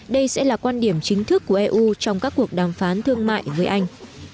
đây sẽ là quan điểm chính thức của eu trong các cuộc đàm phán thương mại với anh